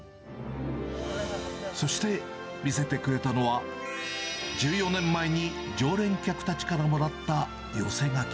そして、見せてくれたのは、１４年前に常連客たちからもらった寄せ書き。